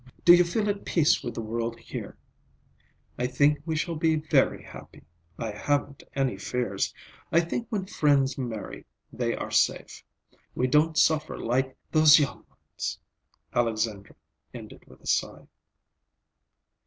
Do you feel at peace with the world here? I think we shall be very happy. I haven't any fears. I think when friends marry, they are safe. We don't suffer like—those young ones." Alexandra ended with a sigh.